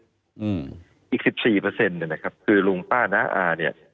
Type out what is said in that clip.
อืมอีกสิบสี่เปอร์เซ็นต์เนี่ยนะครับคือลุงป้าน้าอาเนี่ย